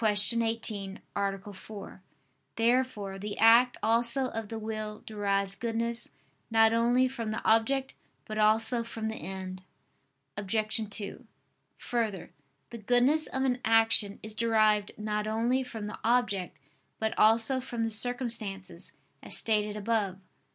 18, A. 4). Therefore the act also of the will derives goodness not only from the object but also from the end. Obj. 2: Further, the goodness of an action is derived not only from the object but also from the circumstances, as stated above (Q.